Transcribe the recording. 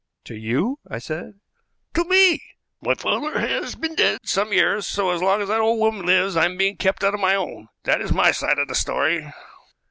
"To you?" I said. "To me. My father has been dead some years, so as long as that old woman lives I am being kept out of my own. That is my side of the story."